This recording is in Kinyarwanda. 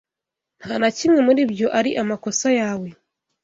Nta na kimwe muri ibyo ari amakosa yawe.